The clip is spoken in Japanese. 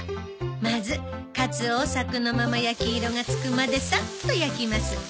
まずかつおをさくのまま焼き色がつくまでさっと焼きます。